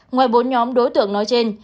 ngoài bốn nhóm đối tượng nói trên